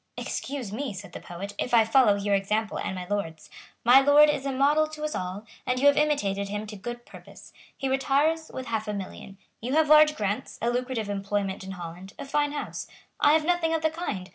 "Excuse me," said the poet, "if I follow your example and my Lord's. My Lord is a model to us all; and you have imitated him to good purpose. He retires with half a million. You have large grants, a lucrative employment in Holland, a fine house. I have nothing of the kind.